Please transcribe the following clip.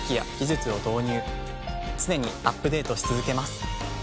常にアップデートし続けます。